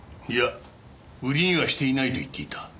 いや売りにはしていないと言っていた。